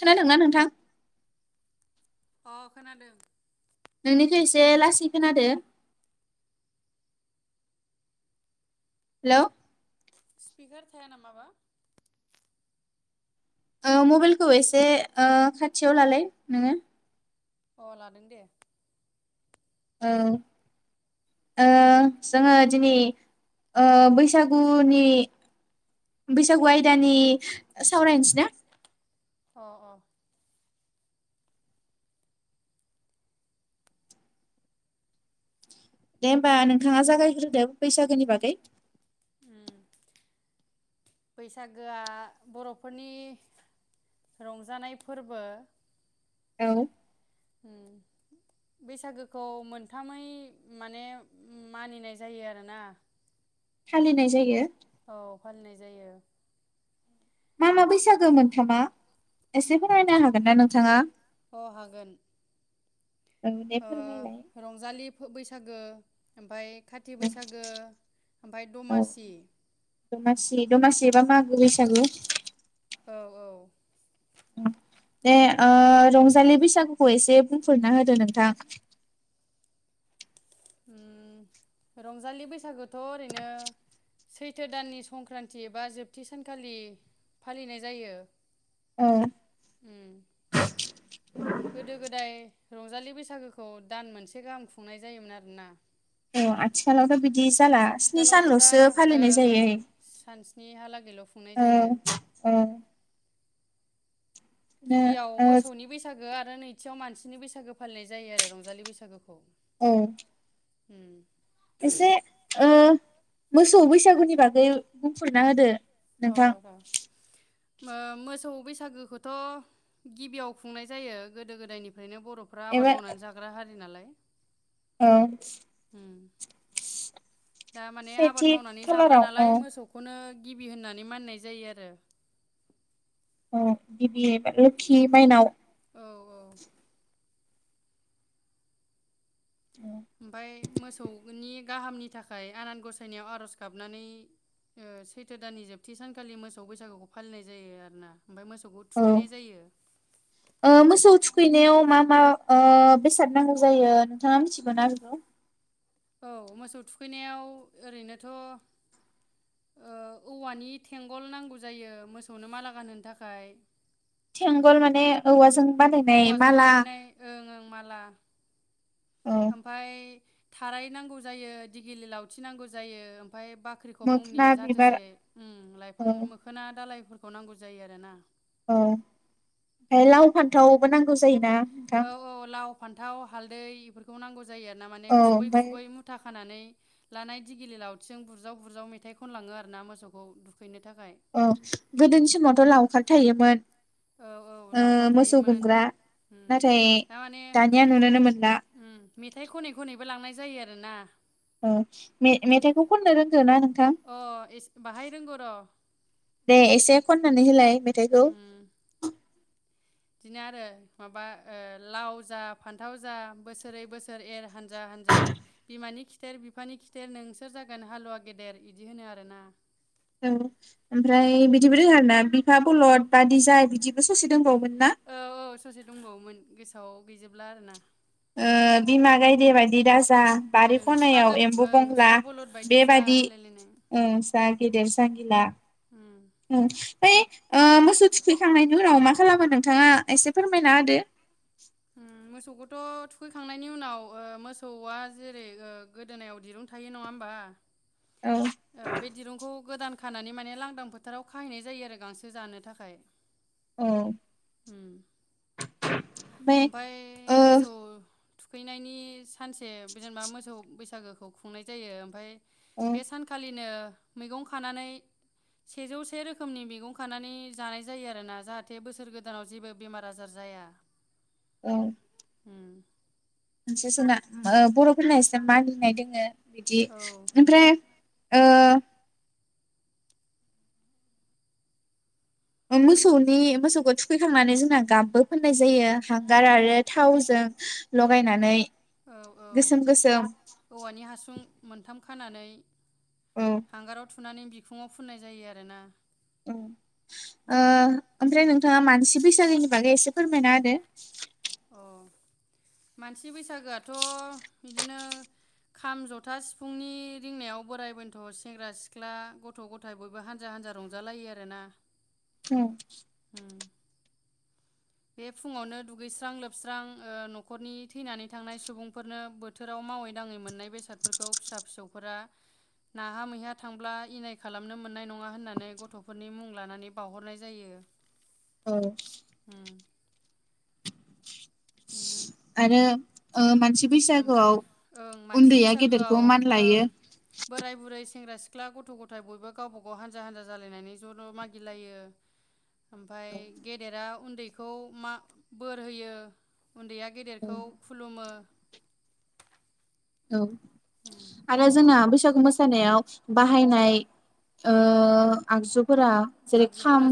खोनादों ना नोंथ थां अ खोनादों। नोंनिखो एसे लासै खोनादो। हेलौ स्पिकार थाया नामा बा? ओ मबाइलखौ एसे ओ खाथियाव लालाय नोङो अ लादों दे। औ ओ जोङो दिनै ओ बैसागुनि बैसागु आयदानि सावरायनोसै ना? अ अ दे होमबा नोंथाङा जागायग्रोदो बैसागोनि बागै? उम बैसागोआ बर'फोरनि रंजानाय फोरबो। औ उम बैसागोखौ मोनथामै माने मानिनाय जायो आरोना फालिनाय जायो। औ फालिनाय जायो। मा मा बैसागो मोनथामा? एसे फोररायनो हागोन ना नोंथाङा? अ हागोन। औ दे ओ फोरमायलाय रंजालि खो बैसागो ओमफाय काटि औ बैसागो ओमफाय औ दमासि दमासि बे दमासि बा मागो बैसागु औ औ दे ओ रंजालि बैसागुखौ एसे बुंफोरना होदो नोंथां? रंजालि बैसागुथ' ओरैनो सैथो दाननि संक्रान्ति एबा जोबथि सानखालि फालिनाय जायो। औ उम गोदो गोदाय रंजालि बैसागोखौ दान मोनसे गाहाम खुंनाय जायोमोन आरोना अ आथिखालावथ' बिदि जाला स्नि आथिखालावथ' दा सानल'सो फालिनाय ओं ओं जायो सानस्निहालागैल' खुंनाय औ जायो औ गिबियाव ओ मोसौनि बैसागो आरो नैथियाव मानसिनि बैसागो फालिनाय जायो आरो रंजालि बैसागोखौ। औ होम एसे ओ मोसौ बैसागुनि बागै बुंफोरना होदो। नोंथां ओ मोसौ बैसागोखौथ' गिबियाव खुंनाय जायो गोदो गोदायनि फ्रायनो बर'फ्रा एबा आबाद मावनानै जाग्रा हारि नालाय। औ उम दा माने आबाद सेथि मावनानै जाग्रा खालाराव औ नालाय मोसौखौनो गिबि होननानै मानिनाय जायो आरो। अ गिबि लोखि माइनाव औ औ [inaudible] ओमफाय मोसौनि गाहामनि थाखाय आनान गसायनायाव आर'ज गाबनानै ओ सैथो दाननि जोबथि सानखालि मोसौ बैसागुखौ फालिनाय जायो आरोना। ओमफ्राय मोसौखौ थुखैनाय जायो औ मोसौ थुखैनायाव मा मा ओ बेसाद नांगौ जायो नोंथाङा मिथिगौ ना बेखौ? औ मोसौ थुखैनायाव ओरैनोथ' ओ औवानि थेंगल नांगौ जायो मोसौनो माला गानहोनो थाखाय थेंगल माने औवाजों बानायनाय औवाजों माला बानायनाय ओं ओं माला औ ओमफाय थाराय नांगौ जायो दिगिलि लावथि नांगौ जायो‌ [unintelligible] फाय बाख्रिखब मुंनि मोखोना बिबार जाथोसे उम लाइफां औ मोखोना दालाय खौ नांगौ जायो आरोना। औ बाय उम लाव फान्थावबो नांगौ जायोना। थां औ औ लाव फान्थाव हालदै बेफोरखौ नांगज जायो आरो ना माने औ खुबै ओमफ्राय खुबै मुथा खानानै लानाय दिगिलि लावथिं जों बुरजाव बुरजाव मेथाइ खनलाङो आरो ना मोसौखौ दु औ गोदोनि समावथ' लावखार थायोमोन। औ औ ओ लावखार मोसौ थायोमोन गुमग्रा उम नाथाय थारमाने दानिया नुनोनो मोनला उम मेथाइ खनै खनैबो लांनाय जायो आ होना औ मे मेथाइखौ खननो रोंगोना नों अ' एसे बाहाय रोंगौ र'। दे एसे खननानै होलाय मेथाइखौ। उम बिदिनो आरो माबा ओ लाव जा फान्थाव जा बोसोरै बोसोर एर हान हानजा हानजा बिमानि खि खिथेर बिफानि खिथेर नोंसोर जागोन हालुवा गेदेर इदि होनो आरोना। औ ओमफ्राय बिदिबो रोङोना आरोना बिफा बलद बादिजाय बिदिबो ससे दोंबावोमोन। औ औ ससे दंबावोमोन गोसो ओव गैजोबला आरो ना। ओ बिमा गायदे बायदि दा जा बारि ओं बिफा खनायाव गा एम्बु ओं बंला बिफा बलद बायदि जा बेबादि होनलायलायनाय ओ उम जा गेदेर जां गिला उम उम्म। ओइ ओ मोसौ थुखैखांनायनि उनाव मा खालामो नोंथाङा एसे फोरमायना होदो। उम्म मोसौ बलद थ' थुखैखांनायनि उनाव ओ मोसौआ जेरै ओ गोदोनायाव दिरुं थायो नङा होमबा औ। औ बे दिरुंखौ गोदान खानानै माने लांदां फोथाराव खाहैनाय जायो आरो गांसो जानो थाखाय। औ ओमफ्राय उम्म। [unintelligible] ओमफाय ओ मोसौ थुखैनायनि सा सानसे जेनेबा मोसौ बैसागो खौ खुंनाय जायो ओमफाय औ बे सानखालिनो मैगं खानानै सेजौ से रोखोमनि मैगं खानानै जानाय जायो आरोना जाहाथे बोसोर गोदानाव जेबो बेमार आजार जाया। औ। उम मोनसे जोंना बर'फोरना एसे मागिनाय दोङो। बिदि औ ओमफ्राय ओ मोसौनि मोसौखौ थुखैखांनानै जोंना गाबबो फोननाय जायो हांगार आरो थावजों लगायनानै। औ औ गोसोम गोसोम। औवानि हासुं मोनथाम खानानै औ हांगाराव थुनानै बिखुङाव फुननाय जायो आरो ना। ओ ओमफ्राय नों। नोंथाङा मानसि बैसागोनि बागै एसे फोरमायना होदो। अ मानसि बैसागोआथ' बिदिनो खाम, जथा, सिफुंनि रिंनायाव बोराइ बेन्थ' सेंग्रा सिख्ला गथ' गथाय बयबो हानजा हान्जा रंजालायो आरोना। उम उम बे फुङावनो दुगैस्रां लोबस्रां न'खरनि थैनानै थांनाय सुबुंफोरनो बे फु बे बे फुंआवनो दुगैस्रां लोबस्रां ओ न'खरनि थैनानै थांनाय सुबुंफोरनो बोथोराव मावै दाङै मोननाय बेसादफोरखौ फिसा फिसौफोरा नाहा मैहा थांब्ला इनाय खालामनो मोननाय नङा होननानै गथ'फोरनि मुं लानानै बावहरनाय जायो औ उम उम आरो ओ मानसि ओमफाय बैसागोआव ओं मानसि उन्दैया गेदेरखौ बैसागोआव मान ओं लायो। बोराय बुरै सेंग्रा सिख्ला गथ' गथाय बयबो गावबा गाव हानजा हानजा जालायनानै ज' ज' मागिलायो ओमफाय गेदेरा उन्दैखौ मा बोर होयो उन्दैया गेदेरखौ खुलुमो औ आरो जोंना बै बैसागु मोसानायाव बाहायनाय ओ आगजु फोरा जेरै खाम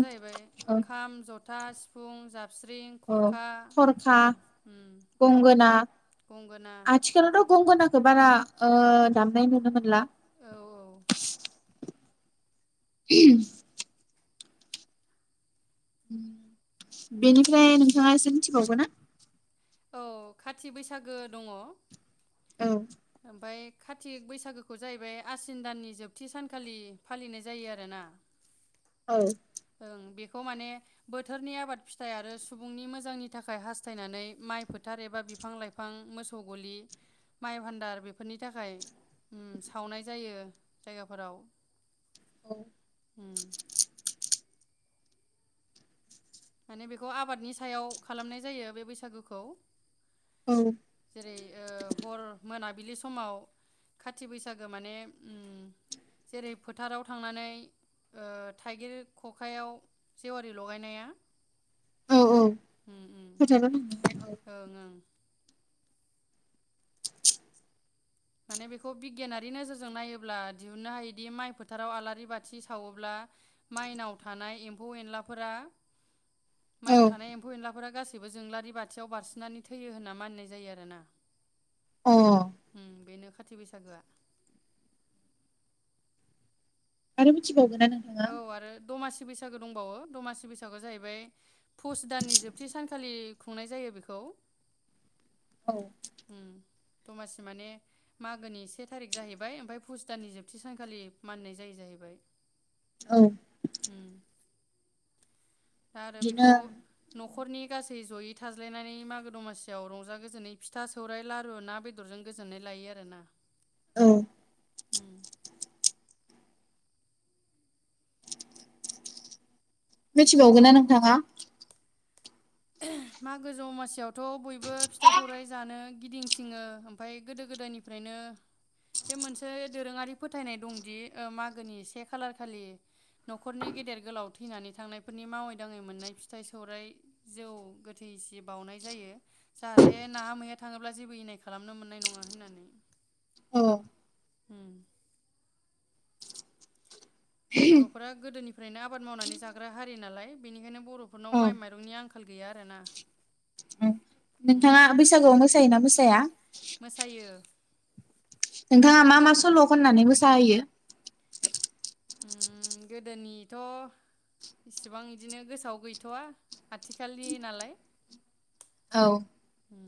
था सिफुं जाब स्रिं ओ खरखा थरखा गंगोना गंगोना गंगनाखौ बारा दामनाय नुनो मोनला औ औ [unintelligible] बेनिफ्राय नोंथाङा एसे मिथिबावगोन ना? औ खाथि बैसागो दङ औ ओमफाय कारतिक बैसागोखौ जाहैबाय आसिन दाननि जोबथि सानखालि फालिनाय जायो आरोना [unintelligible] ओं बेखौ माने बोथोरनि आबाद फिथाइ आरो सुबुंनि मोजांनि थाखाय हास्थायनानै माइ फोथार एबा बिफां लाइफां मोसौ गलि माइ भान्दार बेफोरनि थाखाय सावनाय जायो जायगाफोराव औ उम माने बेखौ आबादनि सायाव खालामनाय जायो बे बैसागुखौ जेरै ओ हर मोना बिलि समाव खाथि बैसागो माने जेरै फोथाराव थांनानै थाइगिर खखायाव जेवारि लगायनाया औ औ [unintelligible] उम उम औ ओं ओं माने बेखौ बिगियानारि नोजोरजों नायोब्ला दिहुन्नो हायोदि माइ फोथाराव आलारि बाथि सावोब्ला माइनाव थानाय एम्फौ एनलाफोरा औ माइआव थानाय एम्फौ एनलाफोरा गासै बो जोंलारि बाथियाव बारसिननानै थैयो होनना मानिनाय जायो आरोना अ उम बेनो खाथि बैसागोआ आरो मिथि बावोना नोंथाङा औ आरो दमासि बैसागो दंबावो दमासि बैसागोआव जाहैबाय पुस दाननि जोबथि सानखालि खुंनाय जायो बेखौ औ उम दमासि माने मागोनि से थारिख जाहैबाय ओमफ्राय पुस दाननि जोबथि सानखालि मानिनाय जायो जाहैबाय औ होम आरो बेखौ बिदिनो नखर नखरनि गासै जयै थाज्लायनानै मागो दमासियाव रंजा गोजोनै फिथा सौराइ लारु ना बेदरजों गोजोननाय लायो आरो ना औ होम मिथिबावगोन ना नोंथाङा मागो जमासियावथ बयबो फिथा सौरायाइ जानो गिदिंथिङो ओमफाय गोदो गोदायनिफ्रायनो बे मोनसे दोरोंङारि फोथायनाय दंदि मागोनि से खालार खालि नखरनि गेदेर गोलाव थैनानै थांनायफोरनि मावै दाङै मोननाय फिथाइ सौरायाइ जौ गोथैसि बावउनाय जायो जाहाथे नांङा मैया थांङोब्ला जेबो इनाय खालामनो मोननाय नंङा होननानै औ बरफोरा गोदोनिफ्रायनो आबाद मावनानै जाग्रा हारि नालाय बेनिखायनो बरफोरनाव औ माइ माइरंनि आंखाल गैया आरोना उम नोंथाङा उम बैसागुआव मोसायोना मोसाया मोसायो नोंथाङा मा मा सल' खननानै मोसाहोयो गोदोनिथ इसिबां बिदिनो गोसोआव गैथ'वा आथिखालनि नालाय औ उम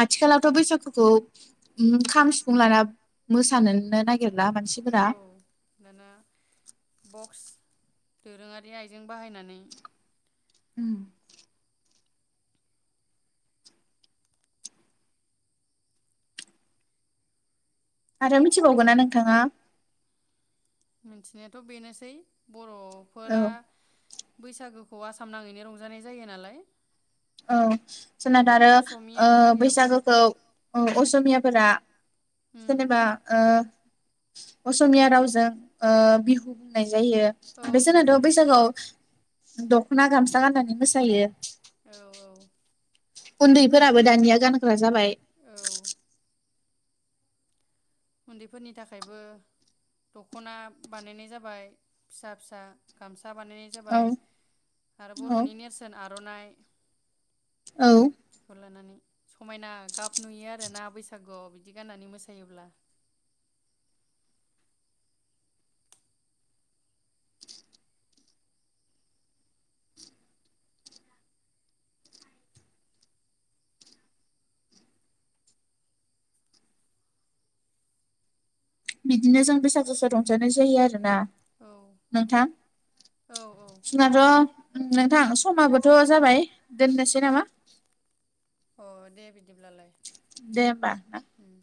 आथिखालावथ बैसागुखौ खाम सिफुं लाना मोसानोनो नागिर मानसिफोरा औ [inaudible] दोरोंङारि आइजें बाहायनानै उम आरो मिथिबावगोन ना नोंथाङा मिथिनायाथ‌ बेनोसै औ बर'फोरा बैसागोखौ आसाम नांङैनो रंजानाय जायो नालाय औ उम सोनाद आरो असमिया हारियाबो बैसागोखौ असमिया फोरा उम जेनेबा ओ असमिया रावजों बिहु बुंनाय जा यो औ बिहु बेसनाथ होननाय बैसागआव जायो दखना गामसा गाननानै मोसायो औ [unintelligible] उन्दैफोराबो दानिया गानग्रा जाबाय औ उन्दैफोरनि थाखायबो दखना बानायनाय जाबाय फिसा फिसा गाम सा बानायनाय औ जाबाय आरो औ बरनि नेरसोन आरो आरनाइ औ [unintelligible] लानानै समायना गाब नुयो आरोना बैसागुआव बिदि गाननानै मोसायोब्ला बिदिनो जों बैसागु समाव रंजानाय जायो आरो ना औ नोंथां औ औ जोंनाथ नोंथां समाबोथ जाबाय दोननोसै नामा अ दे बिदिब्लालाय दे होमबा ना उम